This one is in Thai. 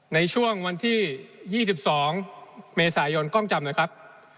ในช่วงวันที่๒๒เมษายนกล้องจำนะครับ